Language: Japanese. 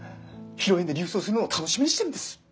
披露宴で琉装するのを楽しみにしてるんです。